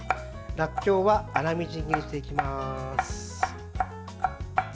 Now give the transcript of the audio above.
らっきょうは粗みじん切りにしていきます。